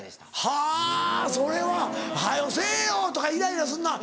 はぁそれは早せぇよ！とかイライラすんのは。